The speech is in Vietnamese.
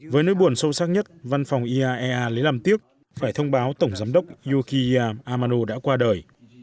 với nỗi buồn sâu sắc nhất văn phòng iaea lấy làm tiếc phải thông báo tổng giám đốc yukiya amano đã qua đời